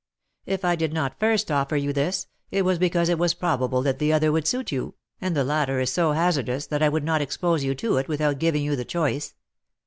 If I did not first offer you this, it was because it was probable that the other would suit you, and the latter is so hazardous that I would not expose you to it without giving you the choice.